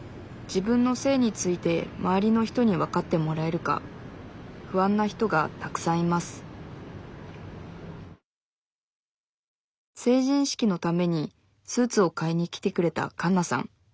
自分の性について周りの人にわかってもらえるか不安な人がたくさんいます成人式のためにスーツを買いに来てくれたカンナさん。